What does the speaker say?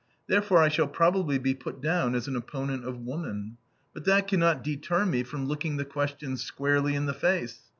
Therefore I shall probably be put down as an opponent of woman. But that can not deter me from looking the question squarely in the face.